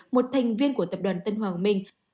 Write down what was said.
một thành viên của tập đoàn tân hoàng minh